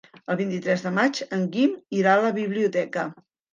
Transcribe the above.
El vint-i-tres de maig en Guim irà a la biblioteca.